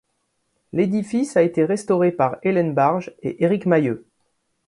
L'édifice a été restauré par Hélène Barge et Eric Mahieu.